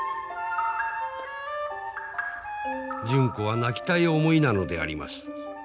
純子は泣きたい思いなのであります。